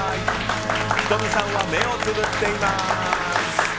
仁美さんは目をつむっています。